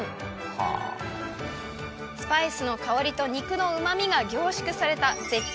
スパイスの香りと肉のうま味が凝縮された。